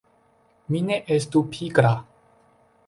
Mi ne estu pigra!